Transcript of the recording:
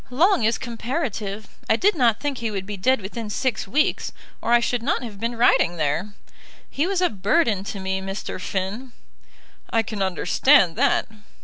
"Long is comparative. I did not think he would be dead within six weeks, or I should not have been riding there. He was a burden to me, Mr. Finn." "I can understand that."